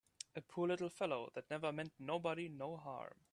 A poor little fellow that never meant nobody no harm!